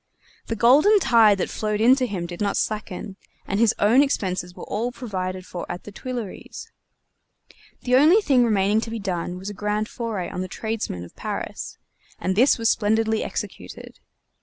The golden tide that flowed in to him did not slacken, and his own expenses were all provided for at the Tuileries. The only thing remaining to be done was a grand foray on the tradesmen of Paris, and this was splendidly executed.